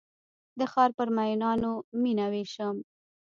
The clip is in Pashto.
د ښارپر میینانو میینه ویشم